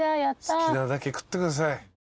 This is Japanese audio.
好きなだけ食ってください。